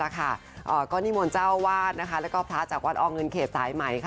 ก้อนิมวลเจ้าวาดและพระจักรวรรดิอองเงินเขตสายไหม